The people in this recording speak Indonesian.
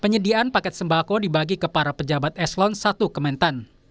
penyediaan paket sembako dibagi ke para pejabat eselon i kementan